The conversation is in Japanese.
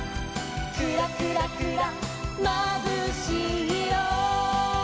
「クラクラクラまぶしいよ」